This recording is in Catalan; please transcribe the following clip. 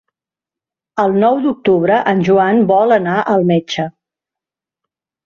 El nou d'octubre en Joan vol anar al metge.